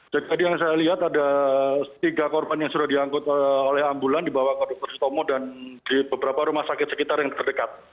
jadi yang saya lihat ada tiga korban yang sudah diangkut oleh ambulan dibawah konduktor stomo dan di beberapa rumah sakit sekitar yang terdekat